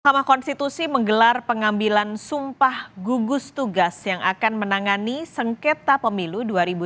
mahkamah konstitusi menggelar pengambilan sumpah gugus tugas yang akan menangani sengketa pemilu dua ribu sembilan belas